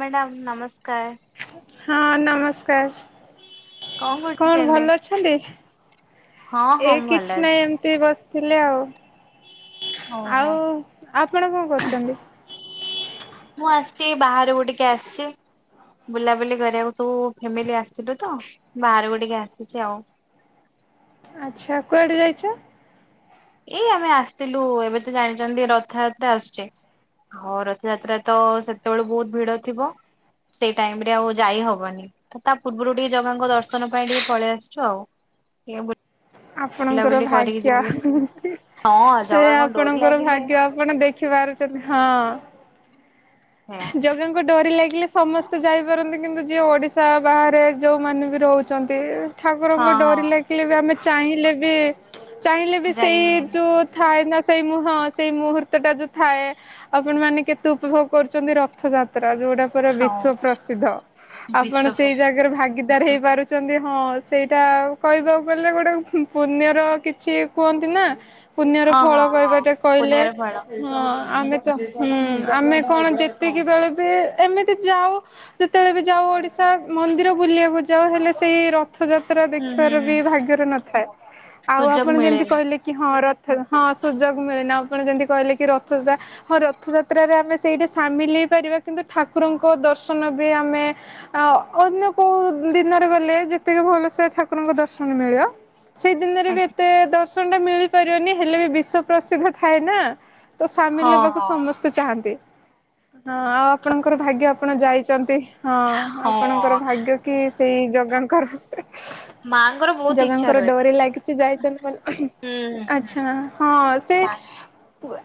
Madam ନମସ୍କାର। ହଁ ନମସ୍କାର କଣ ଭଲ ଅଛନ୍ତି? ହଁ ଏ ହଁ ଭଲ କିଛି ନାହିଁ ଅଛି। ଏମିତି ବସିଥିଲି ଆଉ। ଓହୋ। ଆଉ ଆପଣ କଣ କରୁଛନ୍ତି? ସେ ବାହାରକୁ ଟିକେ ଆସିଛି? ବୁଲାବୁଲି କରିବାକୁ ସବୁ ଫ୍ୟାମିଲି ଆସିଲୁ ତ ବାହାରକୁ ଟିକେ ଆସିଛି ଆଉ। ଆଚ୍ଛା କୁଆଡେ ଯାଇଛ? ଏଇ ଆମେ ଆସଥିଲୁ ଏବେ ତ ଜାଣିଛନ୍ତି ରଥଯାତ୍ରା ଆସୁଛେ? ହଉ ରଥଯାତ୍ରା ତ ସେତେବେଳ ବହୁତ ଭିଡ ଥିବ? ସେଇ ଟାଇମ ରେ ଆଉ ଯାଇ ହବନି ତ ତା ପୂର୍ବରୁ ଟିକେ ଜଗାଙ୍କ ଦର୍ଶନ ପାଇଁ ଟିକେ ପଳେଇ ଆସିଛୁ ଆଉ। ଏ ୟା ବି ଆପଣଙ୍କର ଭାଗ୍ୟ। ହଁ ସେ ଜଗାଙ୍କ ଡୋରି ଆପଣଙ୍କର ଲାଗିଲେ ଭାଗ୍ୟ ଆପଣ ଦେଖି ପାରୁଛନ୍ତି ହଁ। ସେଇଆ। ଜଗାଙ୍କ ଡୋରି ଲାଗିଲେ ସମସ୍ତେ ଯାଇପାରନ୍ତି କିନ୍ତୁ ଯିଏ ଓଡ଼ିଶା ବାହାରେ ଯେଉଁମାନେ ବି ରହୁଛନ୍ତି ହଁ ଠାକୁରଙ୍କୁ ହଁ ଡୋରି ଲାଗିଲେ ବି ଆମେ ଚାହିଁଲେ ବି ଚାହିଁଲେ ବି ଯାଇ ସେଇ ହୁଏନି ଯୋଉ ଥାଏ ନା ସେଇ ମୁହଁ ସେଇ ମୁହୂର୍ତ୍ତଟା ଯୋଉ ଥାଏ ଆପଣମାନେ କେତେ ଉପଭୋଗ କରୁଛନ୍ତି ରଥଯାତ୍ର ଯୋଉଟା ପୁରା ହଉ। ବିଶ୍ଵ ପ୍ରସିଦ୍ଧ ଆପଣ ବିଶ୍ଵ ସେଇ ପ୍ରସିଦ୍ଧ ଜାଗାରେ ଭାଗିଦାରୀ ଗିଦାର ହେଇପାରୁଛନ୍ତି ହଁ ସେଇଟା କହିବାକୁ ଗଲେ ଗୋଟେ ପୁ ପୁଣ୍ୟର କିଛି କୁହନ୍ତି ନା ପୁଣ୍ୟର ହଁ ହଁ ଫଳ ହଁ କହିବାଟା କହିଲେ ପୁଣ୍ୟର ଫଳ ହଁ ଆମେ ତ ହୁଁ ଆମେ କଣ ଯେତିକି ବେଳେ ବି ଏମିତି ଯାଉ ଯେତେବେଳେ ବି ଯାଉ ଓଡିଶା ମନ୍ଦିର ବୁଲିବାକୁ ଯାଉ ହେଲେ ସେଇ ର ରଥଯାତ୍ରା ହୁଁ ହୁଁ ଦେଖିବାର ବି ହୁଁ ଭାଗ୍ୟରେ ନଥାଏ ଆଉ ସୁଯୋଗ ଆପଣ ଯେମିତି ମିଳେନି କହିଲେ କି ହଁ ର ହଁ ସୁଯୋଗ ମିଳେନା ଆପଣ ଯେମିତି କହିଲେ କି ରଥଟା ହଁ ରଥଯାତ୍ରାରେ ଆମେ ସେଇଟା ସାମିଲ ହେଇପାରିବା କିନ୍ତୁ ଠାକୁରଙ୍କ ଦର୍ଶନ ବି ଆମେ ଅ ଅନ୍ୟ କୋଉ ଦିନରେ ଗଲେ ଯେତିକି ଭଲସେ ଠାକୁରଙ୍କ ଦର୍ଶନ ମିଳିବ ସେଇ ଦିନରେ ବି ଆଜ୍ଞା ଏତେ ଦର୍ଶନ ଟା ମିଳିପାରିବନି ହେଲେ ବି ବିଶ୍ଵ ପ୍ରସିଦ୍ଧ ଥାଏ ନା ତ ସାମିଲ ହଁ ହେବାକୁ ହଁ ସମସ୍ତେ ଚାହାନ୍ତି ହଁ ଆଉ ଆପଣଙ୍କର ଭାଗ୍ୟ ଆପଣ ଯାଇଛନ୍ତି। ହଁ ହଁ ଆପଣଙ୍କର ଭାଗ୍ୟ କି ସେଇ ଜଗାଙ୍କର ମା ଜଗାଙ୍କର ଡୋରି ଲାଗିଚି ଯାଇଚନ୍ତି ମାନ୍ ହୁଁ ହୁଁ ହୁଁ ଆଛା ହଁ ସେ ମା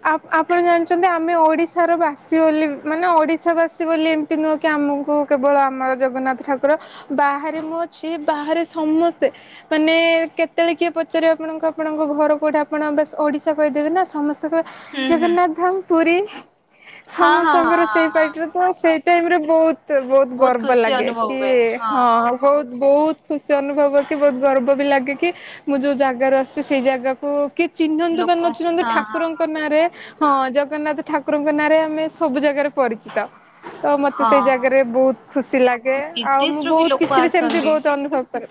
ଆପଣ ଜାଣିଛନ୍ତି ଆମେ ଓଡିଶାର ବା ସି ବୋଲି ମାନେ ଓଡ଼ିଶା ବାସୀ ବୋଲି ଏମିତି ନୁହଁ କି ଆମକୁ କେବଳ ଆମର ଜଗନ୍ନାଥ ଠାକୁର ବାହାରେ ମୁଁ ଅଛି ବାହାରେ ସମସ୍ତେ ମାନେ କେତେବେଳେ କିଏ ପଚାରିବ ଆପଣଙ୍କୁ ଆପଣଙ୍କ ଘ ଘର କୋଉଟା ଆପଣ ଓଡିଶା କହିଦେବେ ନା ସମସ୍ତେ ହୁଁ କହିବେ ହୁଁ ଜଗନ୍ନାଥ ଧାମ୍ ପୁରୀ ହଁ ହଁ ହଁ ସମସ୍ତଙ୍କର ହଁ ସେଇ ହଁ ପାଟିରେ ହଁ ତ ସେଇ ଟାଇମ୍ ରେ ବହୁତ୍ ତ ବହୁତ ଗର୍ବ ଲାଗେ କି ହଁ ବୋଉତ୍ ବୋଉତ୍ ଖୁସି ଅନୁଭବ କି ବହୁତ ଗର୍ବ ବି ଲାଗେ କି ମୁଁ ଯୋଉ ଜାଗାରୁ ଆସିଛି ସେଇ ଜାଗାକୁ କିଏ ଚିହ୍ନନ୍ତୁ ବା ଲୋକ ନ ଚିହ୍ନନ୍ତୁ ହଁ ହଁ ଠାକୁରଙ୍କ ନାଁରେ ହଁ ଜଗନ୍ନାଥ ଠାକୁରଙ୍କ ନାଁରେ ଆମେ ସବୁ ଜାଗାରେ ପରିଚିତ। ତ ମତେ ହଁ ସେଇ ହଁ ହଁ ଜାଗାରେ ବହୁତ ଖୁସି ଲାଗେ ଆଉ ମୁଁ ବିଦେଶରୁୁ ବୋଉତ୍ ଲୋକ କିଛି ବି ସେମିତି ଆସନ୍ତି ବୋଉତ୍ ଅନୁଭବ କରେ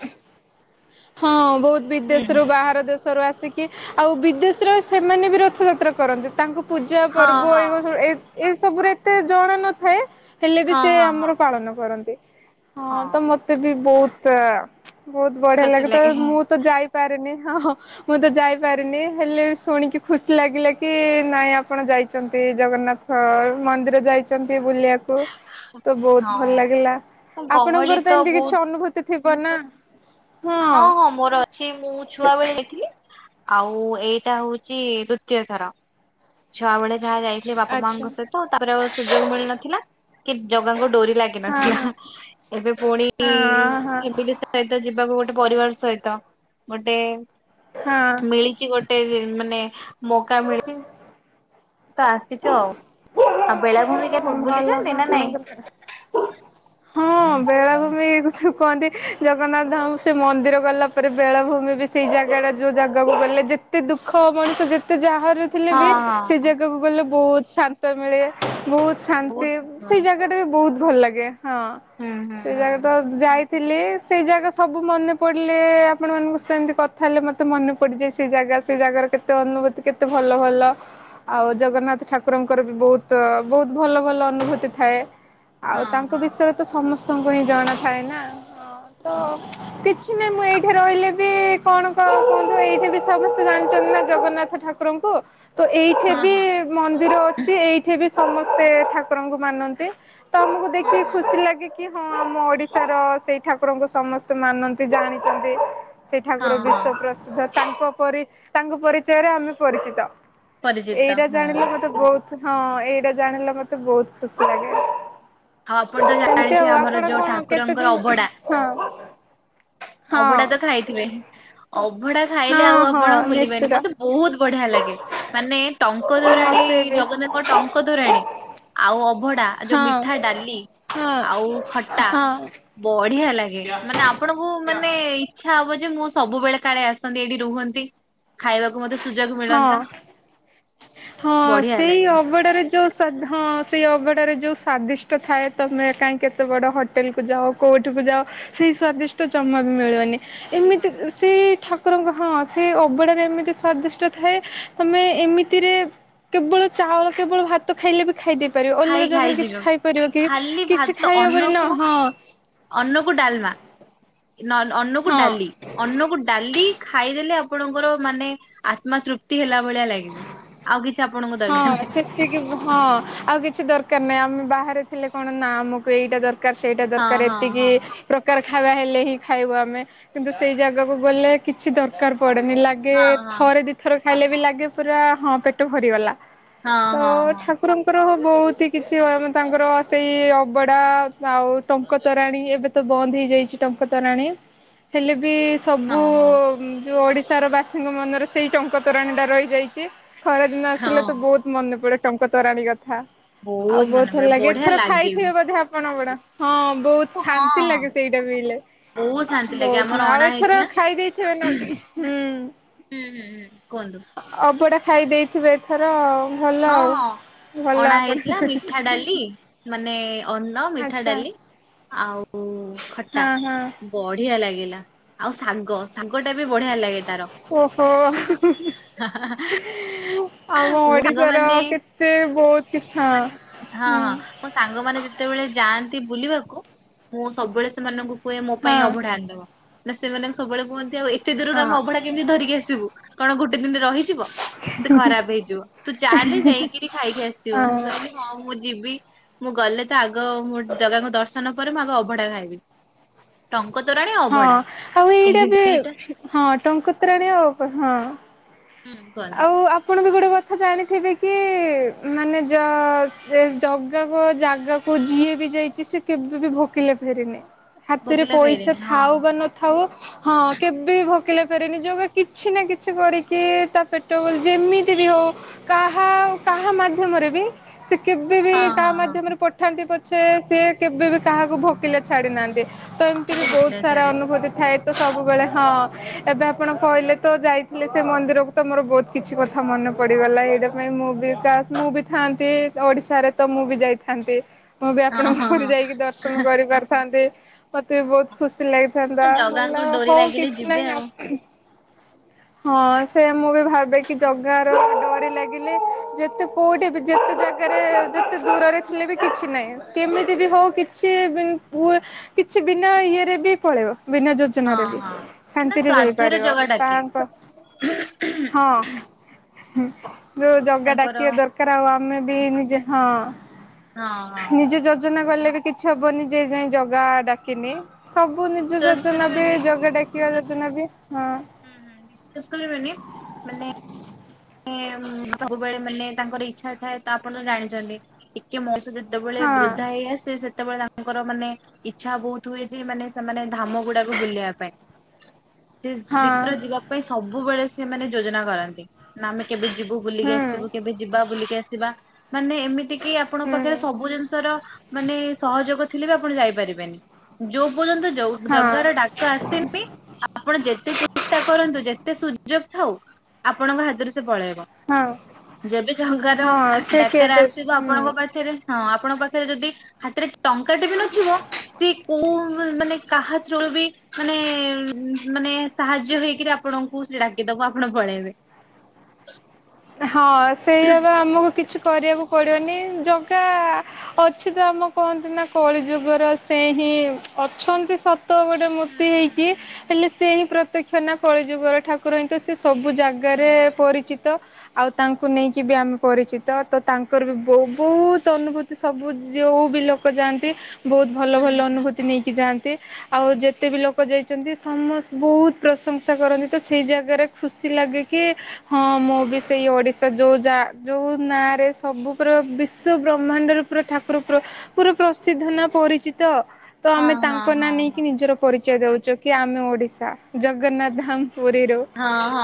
ହଁ ବହୁତ ହୁଁ ବିଦେଶ୍ ରୁ ହୁଁ ବାହାର ଦେଶରୁ ଆସ୍ ସିକି ଆଉ ବିଦେଶ୍ ରେ ସେମାନେ ବି ରଥଯାତ୍ରା କରନ୍ତି ତାଙ୍କୁ ପୂଜା ହଁ ପର୍ବ ହଁ ଏବ ଏ ଏ ସବୁରେ ଏତେ ଜଣ ନଥାଏ ହେଲେ ହଁ ବି ସେ ହଁ ହଁ ଆମର ପାଳନ କରନ୍ତି। ହଁ ତ ମତେ ବି ବୋହୁତ ବୋହୁତ ବଢିଆ ଲାଗେ ତ ମୁଁ ତ ଯାଇପାରେନି ହଁଁ ହଁ ମୁଁ ତ ଯାଇପାରିନି ହେଲେ ଶୁଣିକି ଖୁସି ଲାଗିଲା କି ନାଇଁ ଆପଣ ଯାଇଚନ୍ତି। ଜଗନ୍ନାଥ ମନ୍ଦିର ଯାଇଚନ୍ ତି ବୁଲିବାକୁ ତ ବୋହୁତ ଭଲ ହଁ ଲାଗିଲା ଗହଳି ଆପଣଙ୍କର ତ ଏମିତି କିଛି ବହୁତ ଅନୁଭୂତି ଥିବ ନା? ହଁ ହଁ ମୋର ଅଛି ମୁଁ ଛୁଆ ବେଳେ ଯାଇଥିଲି। ଆଉ ଏଇଟା ହୋଉଛି ଦୁତୀୟ ଥର ଛୁଆ ବେଳେ ଯାହା ଯାଇଥିଲି ବାପା ଆଚ୍ଛା ମାଙ୍କ ସହିତ ତାପରେ ଆଉ ସୁଯୋଗ ମିଳିନଥିଲା। କି ଜଗାଙ୍କୁ ଡୋରି ହଁ ଲାଗିନଥିଲା ହଁ ଏବେ ପୁଣି ହଁ ଇମ୍ପିଲି ସହିତ ଯିବାକୁ ଗୋ ଟେ ପରିବାର ସହିତ ଗୋଟେ ହଁ ମିଳିଛି ଗୋ ଟେ ମାନେ ମୌକା ମିଳିଚି। ତ ଆସିଛୁ ଆଉ। ଆଉ ବେଳାଭୂମ କେ ହଁ ଭଲ ବୁଲିଛନ୍ତି ନା ନାଇଁ? ଆପଣଙ୍କର ହଁ ବେଳାଭୂମି ଯୋଉ କୁହନ୍ତି ଜଗନ୍ନାଥ ଧାମକୁ ସେ ମନ୍ଦିର ଗଲା ପରେ ବେଳାଭୂମି ବି ସେଇ ଜାଗା ଯୋଉ ଜାଗାକୁ ଗଲେ ଯେତେ ଦୁଃଖ ମଣିଷ ଯେତେ ଯାହା ବାହାରୁ ଥିଲେ ହଁ ବି ସେ ହଁ ଜାଗାକୁ ଗଲେ ବହୁତ ଶାନ୍ତ ମିଳେ। ବହୁତ୍ ଶାନ୍ତି ବହୁତ ହୁଁ ସେଇ ଜାଗାଟା ବି ବହୁତ ଭଲ୍ ଲାଗେ ହଁ ହୁଁ ସେଇ ହୁଁ। ଜାଗାରେ ତ ଯାଇ ଥିଲେ ସେଇ ଜାଗା ସବୁ ମନେ ପଡିଲେ ଆପଣ ମାନଙ୍କୁ ସେମିତି କଥା ହେଲେ ମତେ ମନେ ପଡିଯାଏ ସେ ଜାଗା ସେ ଜାଗାର କେତେ ଅନୁଭୂତି କେତେ ଭଲ ଭଲ ଆଉ ଜଗନ୍ନାଥ ଠାକୁରଙ୍କ ଙ୍କର ବି ବୋହୁତ ବୋହୁତ୍ ଭଲ ଭଲ ଅନୁଭୂତି ଥାଏ ଆଉ ହଁ ତାଙ୍କ ହଁ ବିଷୟରେ ତ ସମସ୍ ତାଙ୍କୁ ହିଁ ଜଣା ଥାଏ ନା ହଁ ତ କିଛି ନାହିଁ ମୁଁ ଏଇଠି ରହିଲେ ବି କଣ କ କୁହନ୍ତୁ ଏଇଠି ବି ସମସ୍ତେ ଜାଣିଛନ୍ତି ନା ଜଗନ୍ନାଥ ଠାକୁରଙ୍କୁ ତ ଏଇଠି ହଁ ବି ହଁ। ମନ୍ଦିର ଅଛି ଏଇଠି ବି ସମସ୍ତେ ଠାକୁରଙ୍କୁ ମାନନ୍ତି। ତମକୁ ହୁଁ ଦେଖିକି ହୁଁ ଖୁସି ଲାଗେ କି ହଁ ଆମ ଓଡିଶାର ସେଇ ଠାକୁରଙ୍କୁ ସମସ୍ତେ ମାନନ୍ତି ଜାଣିଚନ୍ତି ସେଇ ହଁ ଠାକୁର ବିଶ୍ଵ ହଁ ପ୍ରସିଦ୍ଧ ତାଙ୍କ ପରି ତାଙ୍କ ପରିଚୟରେ ଆମେ ପରିଚିତ। ପରିଚିତ ଏଇଟା ହଁ। ଜାଣିଲେ ମତେ ବୋହୁତ୍ ହଁ ଏଇଟା ଜାଣିଲେ ମତେ ବୋହୁତ୍ ଖୁସି ଲାଗେ। ଆଉ ଆପଣ ତ ସେମିତି ଜାଣିଥିବେ ଆଉ ଆମର ଆପଣ ଯୋଉ କଣ କେତେ ଠାକୁରଙ୍କର ଦିନ୍ ଅଭଡା ହଁ ହଁ ଅଭଡା ତ ଖାଇଥିବେ ଅଭଡା ଖାଇଲେ ଆଉ ହଁ ହଁ ଆପଣ ଭୁଲିବେନି ନିଶ୍ଚିତ ମତେ ବିହୁତ୍ ବଢିଆ ଲାଗେ ମାନେ ଟଙ୍କ ତୋରାଣୀ ମତେ ବି ଜଗନ୍ନାଥଙ୍କ ଟଙ୍କ ତୋରାଣୀ ଆଉ ବଢ଼ା ଯୋଉ ହଁ ମିଠା ଡାଲି ହଁ ଆଉ ଖଟା ହଁ ବଢିଆ ହେଲା ଲାଗେ, ମାନେ ଆପଣଙ୍କୁ ମାନେ ଇଛା ହବ ଯେ ମୁଁ ସବୁବେଳେ କାଳେ ଆସନ୍ତି, ଏଇଠି ରୁହନ୍ତି, ଖାଇବାକୁ ମତେ ସୁଯୋଗ ମିଳନ୍ତା ହଁ ହଁ ବଢିଆ ସେଇ ଲାଗେ ଅଭଡାରେ ଯୋଉ ସ୍ୱାଦ ହଁ ସେଇ ଅବଢ଼ାରେ ଯୋଉ ସ୍ଵାଦିଷ୍ଟ ଥାଏ ତମେ କାହିଁକି ଏତେ ବଡ ହୋଟେଲ କୁ ଯାଉ। କୋଉ କଉଠିକୁ ଯାଅ ସେହି ସ୍ଵାଦିଷ୍ଟ ଜମା ବି ମିଳୁନି। ଏମିତି ମିଳିବନି ସେ ଠାକୁରଙ୍କ ହଁ ସେ ଅବଡାରେ ଏମିତି ସ୍ଵାଦିଷ୍ଟ ଥାଏ ତମେ ଏମିତିରେ କେବଳ ଚାଉଳ କେବଳ ଭାତ ଖାଇଲେ ବି ଖାଇ ଦେଇ ପାରିବ ଖାଇ ଅଲଗା ଖାଇ ଜାଗାରେ କିଛି ଯିବେ। ଖାଇପାରିବ କି ଖାଲି କିଛି ଭାତ ଖାଇବ ହବନି ନା ଅନ୍ନକୁ ହଁ। ଅନ୍ନକୁ ଡାଲମା ନ ଅନକୁ ହଁ ଡାଲି ଅନକୁ ଡାଲି ଖାଇଦେଲେ ଆ ଆପଣଙ୍କର ମାନେ ଆତ୍ମା ତୃପ୍ତି ହେଲା ଭଳିଆ ଲାଗିବ। ଆଉ କିଛି ଆପଣଙ୍କୁ ଦରକାର ହଁ ନାହିଁ ସେତିକି ହଁ ଆଉ କି ଛି ଦରକାର ନାହିଁ ଆମେ ବାହାରେ ଥିଲେ କଣ ନା ଆମକୁ ଏଇଟା ଦରକାର ସେଇଟା ହଁ ଦରକାର ହଁ ଏତିକି ହଁ ପ୍ରକାର ଖାଇବା ହେଲେ ହିଁ ଖାଇବ ଆମେ କିନ୍ତୁ ସେଇ ଜାଗାକୁ ଗଲେ କିଛି ଦରକାର ପଡ଼େନି। ଲାଗେ ହଁ ହଁ। ଥରେ ଦୁଇ ଥର ଖାଇଲେ ବି ଲାଗେ ପୁରା ହଁ ପେଟ ଭରିଗଲା। ହଁ ତ ହଁ ହଁ। ଠାକୁରଙ୍କର ବହୁତ ହି କିଛି ଆମେ ତାଙ୍କର ସେଇ ଅବଡ଼ା ଆଉ ଟଙ୍କ ତୋରାଣୀ ଏବେ ତ ବନ୍ଦ ହେଇ ହେଇ ଯାଇଚି ଟଙ୍କ ତୋରାଣି ହେଲେ ବି ହଁ ସବୁ ହଁ ଯଉଁ ଓଡ଼ିଶାର ବାସୀଙ୍କ ମନରେ ସେଇ ଟଙ୍କ ତୋରାଣୀଟା ରହିଯାଇଚି। ଖରାଦିନ ଆସିଲେ ହଁ ତ ବହୁତ ମନେ ପଡେ ଟଙ୍କତରାଣୀ କଥା। ଆଉ ମନେ ବହୁତ ଭଲ ପଡେ ଲାଗେ ବଢିଆ ଏଥର ଲାଗେ ବି। ଖାଇଥିବେ ବୋଧେ ଆପଣ ଗଡ ହଁ ବହୁତ ହଁ ଶାନ୍ତି ହଁ ଲାଗେ ସେଇଟା ପିଇଲେ। ବହୁତ ଶାନ୍ତି ଲାଗେ ବହୁତ ଆମର ନାଁ ଆଉ ଅଣା ଏଥର ହେଇଥିଲା ଖାଇ ଦେଇେଇଥିବେ ନ ହୁଁ। ହୁଁ ହୁଁ ହୁଁ। କୁହନ୍ତୁ। ଅବଡ଼ା ଖାଇ ଦେଇେଇଥିବେ ଏଥର ଆଉ ଭଲ ହଁ ଆଉ। ହଁ ଭଲ ଅଣା ହେଇଥିଲା ଆପଣ ମିଠା ଡାଲି ମାନେ ଅନ୍ନ ମିଠା ଆଚ୍ଛା ଡାଲି ଆଉ ଖଟା ହଁ ହଁ ବଢିଆ ଲାଗିଲା ଆଉ ଶାଗ ଶାଗ ଟା ବି ବଢିଆ ଲାଗେ ତାର। ଓହୋ। ଆମ ମୋ ଓଡିଶାର ସାଙ୍ଗମାନେ କେତେ ବହୁତ କିଛି ହଁ। ହଁ ହୁଁ ହଁ ମୋ ସାଙ୍ଗମାନେ ଯେତେବେଳେ ଯାଆନ୍ତି ବୁଲିବାକୁ ମୁଁ ସବୁବେଳେ ସେମାନଙ୍କୁ କୁହେ ମୋ ହଁ ପାଇଁ ଅବଢା ଆଣିଦବ। ନା ସେମାନଙ୍କୁ ସବୁବେଳେ କୁହନ୍ତି। ଆଉ ଏତେ ଦୂରରୁ ଆମେ ହଁ ଅଭଢଡା କେମିତି ଧରିକି ଆସିବୁ। କଣ ଗୋଟେ ଦିନରେ ରହିଥିବ। ସେ ଖରାପ ହେଇଯିବ ତୁ ଚାଲେ ଯାଇକିରି ଖାଇକି ଆସିବୁ ମୁଁ କହିଲି ହଁ ମୁଁ ଯିବି। ମୁଁ ଗଲେ ତ ଆଗ ମୁଁ ଜଗାକୁ ଦର୍ଶନ ପରେ ମୁଁ ଆଗ ଅଭଢା ଖାଇବି। ଟ ହଁ ଆଉ, ଏଇଟା ବି ହଁ ଟଙ୍କ ତୋରାଣି, ଆଉ ହଁ। ହୁଁ କୁହନ୍ତୁ ଆଉ ଆପଣ ବି ଗୋଟେ କ କଥା ଜାଣିଥିବେ କି ମାନେ ଯ ଯେ ଜଗାକୁ ଜାଗାକୁ ଯିଏ ବି ଯାଇଚି ସେ କେବେ ବି ଭୋକିଲା ଫେରିନି। ହାତରେ ଭୋଗିଲା ପଇସା ଫେରେନି ହଁ ଥାଉ ବା ନଥାଉ ହଁ କେବେ ଭ ଭୋକିଲା ଫେରିନି ଜଗା କିଛି ନା କିଛି କରିକି ତା ଯେତବେଲେ ଯେମିତି ବି ହଉ କାହା କାହା ମାଧ୍ୟମରେ ବି ସେ କେବେ ବି ହଁ ହଁ କାହା ମାଧ୍ୟମରେ ପଠାନ୍ତି। ପ ସେ ସିଏ କେବେ ବି କାହାକୁ ଭୋକିଲା ଛାଡି ନାହାନ୍ତି। ତ ଏମିତି ବି ହଁ ବହୁତ ହଁ ସାରା ଅନୁଭୂତି ଥାଏ। ତ ସବୁବେଳେ ହଁ। ଏବେ ଆପଣ କହିଲେ ତ ଯାଇଥିଲେ ସେ ମନ୍ଦିରକୁ। ତମର ବହୁତ କିଛି କଥା ମନେ ପଡିଗଲା ଏଇଟା ପାଇଁ ମୁଁ କାଶ ମୁଁ ବି ଥାନ୍ତି ଓଡିଶାରେ ତ ମୁଁ ମୁଁ ବି ଯାଇଥାନ୍ତି ମୁଁ ବି ହଁ ଆପଣଙ୍କ ହଁ ଉପରେ ହଁ ଯାଇକି ଦର୍ଶନ କରିପାରିଥାନ୍ତି। ମତେ ବି ବହୁତ ଖୁସି ଲାଗିଥାନ୍ତା। ଭଲ ଜଗାଙ୍କ ଡୋରି ହଉ ଲାଗିଲେ କିଛି ଯିବେ ନାହିଁ ଆ ଆଉ ହଁ। ସେ ମୁଁ ବି ଭାବେ କି ଜଗାର ଡୋରି ଲାଗିଲେ ଯେତେ କୋଉଠି ବି ଯେତେ ଜେଗାରେ ଯେତେ ଦୂରରେ ଥିଲେ ବି କିଛି ନାହିଁ। କେମିତି ଯିବ କିଛି ପୁ କିଛି ବିନା ଇଏରେ ବି ପଳେଇବ ବିନା ହଁ ଯୋଜନାରେ ବି ହଁ ବିନା ଶାନ୍ତିରେ ସ୍ଵାର୍ଥରେ ଯାଇପାରିବ। ଜଗା ଡାକେ ତାହାଙ୍କ ହଁ ଯୋଉ ଜଗା ତାଙ୍କର ଡାକିବା ହଁ ଦରକାର ଆଉ ଆ ଆମେ ବି ନିଜେ ହଁ ହଁ ନିଜେ ଯୋଜନା ଗଲେ ବି କିଛି ହବନି ଯେ ଯାଏଁ ଜଗା ଡା ଥିମି ସବୁ ନିଜ ବିଶ୍ଵାସ ଯୋଜନା ବି କରିବେନି ଜଗା ଡାକିବା ଯୋଜନା ବି ହଁ ହୁଁ ହୁଁ ବିଶ୍ୱାସ କରି ବେନି ମାନେ ହଁ ସବୁବେଳେ ମାନେ ତାଙ୍କର ଇଚ୍ଛା ଥାଏ ତ ଆପଣ ତ ଜାଣିଛନ୍ତି ଟିକେ ମଷଧ ଯେତେବେଳେ ହଁ ବୃଦ୍ଧା ହେଇ ଆସେ ସେ ସେତେବେଳେ ତାଙ୍କର ମାନେ ଇଚ୍ଛା ବହୁତ ହୁଏ ଯେ ମାନେ ସେମାନେ ଧାମ ଗୁଡାକୁ ବୁଲେଇବା ପାଇଁ। ସେ ହଁ ଶୀତ୍ର ଯିବା ପାଇଁ ସବୁବେଳେ ସେମାନେ ଯୋଜନା କରନ୍ତି। ନା ଆମେ କେବେ ଯି ବୁଲିକି ଆସିବୁ ହୁଁ କେବେ ଯିବା ବୁଲିକି ଆସିବା। ମାନେ ଏମିତି କିି ଆପଣଙ୍କ ପାଖରେ ହୁଁ ସବୁ ଜିନିଷର ମାନେ ସହଯୋଗ ଥିଲେ ବି ଆପଣ ଯାଇପାରିବେନି। ଯୋଉ ଯେ ପରଯ୳ନ୍ତ ଯୋଉ ହଁ ଜଗାର ଡାକ ଆସିନି ଆପଣ ଯେ ଚେଷ୍ଟା କରନ୍ତୁ ଯେତେ ସୁଯୋଗ ଥାଉ ଆପଣଙ୍କ ହାତରୁ ସେ ପଳେଇ ହଁ ଯେବେ ଜଙ୍ଗାର ହଁ ସେ ଡାକରା କେବେ ଆସିବ ହୁଁ ଆପଣଙ୍କ ପାଖରେ ହଁ ଆପଣଙ୍କ ପାଖରେ ଯଦି ହାତରେ ଟଙ୍କାଟେ ବି ନଥିବ। ସେ କୋଉ ମାନେ କାହା ଥ୍ରୁରୁ ବି ମାନେ ମାନେ ସାହାଯ୍ୟ ହେଇକିରି ଆ ଆପଣଙ୍କୁ ସେ ଡାକିଦବ ଆପଣ ପଳେଇବେ। ହଁ ସେଇଆ ବା ଆମକୁ କିଛି କରିବାକୁ ପଡ଼ିବନି ଜଗା-ଆ ଅଛି ତ, ଆମ କହନ୍ତି ନା କଳି ଯୁଗର ସେହିଁ କି ଅଛନ୍ତି ସତ। ତ ଗୋଟେ ହୁଁ ମୂର୍ତ୍ତି ହୁଁ ହେଇକି ହୁଁ ହୁଁ ହେଲେ ସେ ହିଁ ପ୍ରତ୍ୟକ୍ଷ ନା କଳିଯୁଗ ର ଠାକୁର ହିଁ ତ ସେ ସବୁ ଜାଗାରେ ପରିଚିତ। ଆଉ ତାଙ୍କୁ ନେଇକି ବି ଆମେ ପରିଚିତ ତ ତାଙ୍କର ବି ବହୁ ବହୁତ ଅନୁଭୂତି ସବୁ ଯେଉ ବି ଲୋକ ଯାଆନ୍ତି। ବହୁତ ଭଲ ହୁଁ ହୁଁ ଭଲ ହୁଁ। ଅନୁଭୂତି ନେଇକି ଯାଆନ୍ତି। ଆଉ ଯେତେ ବି ଲୋକ ଯାଇଛନ୍ତି ସମସ୍ତେ ବହୁତ ପ୍ରଶଂସା କରନ୍ତି। ତ ସେଇ ଜାଗାରେ ଖୁସି ତି ଲାଗେ କି ହଁ ମୁଁ ବି ସେଇ ଓଡ଼ିଶା ଯୋଉ ଯା ଯୋଉ ନାଁରେ ସବୁ ପୁରା ବିଶ୍ୱ ବ୍ରହ୍ମାଣ୍ଡର ପୁରା ଠାକୁର ପୁରା ପୁରା ପ୍ରସିଦ୍ଧ ନା ପରିଚିତ। ତ ହଁ ଆମେ ହଁ ତାଙ୍କ ନାଁ ନେଇକି ହଁ ନିଜର ପରିଚୟ ଦଉଚୁ କି ଆମେ ଓଡିଶା, ଜଗନ୍ନାଥ ଧାମ ପୁରୀରୁ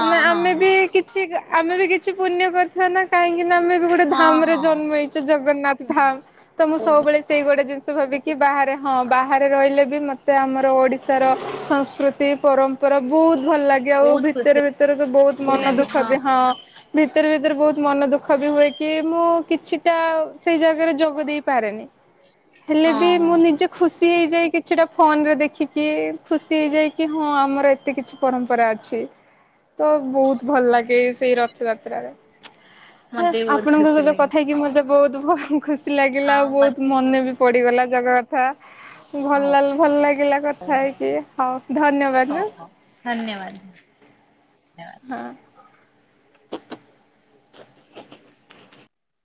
ମାନେ ହଁ ହଁ ହଁ ଆମେ ବି କିଛି ଆମେ ବି କିଛି ପୁଣ୍ୟ କରିୁଥିବା ନା କାହିଁ କି ନା ଆମେ ବି ଗୋଟେ ହଁ ଧାମ ହଁ ରେ ହଁ ଜନ୍ମ ହେଇଚେ ଜଗନ୍ନାଥ ଧାମ। ତ ମୁଁ ସବୁବେଳେ ସେଇ ଗୋଟେ ଜିନିଷ ସ ଭାବିକି ବାହାରେ ହଁ ବାହାରେ ରହିଲେ ବି ମୋତେ ଆମର ଓଡ଼ିଶାର ସଂସ୍କୃତି ପରମ୍ପରା କର ବହୁତ ଭଲ ଲାଗେ ଆଉ ବହୁତ ଭିତରେ ଖୁସି ଭିତରେ ତ ବହୁତ ମନ ଦୁଃଖ ବି ହଁ ଭିତରେ ଭିତରେ ବହୁତ ମନ ଦୁଃଖ ବି ହୁଏ କି ମୁଁ କିଛିଟା ସେଇ ଜାଗାରେ ଯୋଗ ଦେଇପାରେନି। [inaudible] ହେଲେ ବି ହଁ ମୁଁ ହଁ ନିଜେ ଖୁସି ହେଇଯାଇ କିଛିଟା ଫୋନରେ ଦେଖିକି ଖୁସି ହେଇଯାଏ କି ହଁ ଆମର ଏତେ କିଛି ପରମ୍ପରା ଅଛି। ତ ବହୁତ ଭଲ ଲାଗେ ସେଇ ରଥଯାତ୍ରାରେ ହେ ମତେ ବି ବହୁତ ଆପଣଙ୍କ ଖୁସି ସହିତ ଲାଗେ। କଥା ହେଇକି ମ ବହୁତ ଭ ଖୁସି ଲାଗିଲା ଆଉ ହଁ ବହୁତ ମତେ ମନେ ବି ଖୁସି। ପଡିଗଲା ଜଗା କଥା। ଭଲ ହଉ ଲ ଭଲ ଲାଗିଲା କଥା ହେଇକି ହଉ ଧନ୍ୟବାଦ ହେଁ। ନ୍ୟ ବାଦ୍। ହଁ। [inaudible]